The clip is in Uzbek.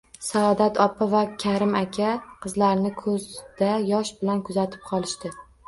Saodat opa va Karim aka qizlarini ko`zda yosh bilan kuzatib qolishdi